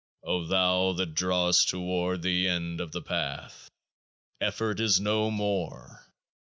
O thou that drawest toward the End of The Path, effort is no more.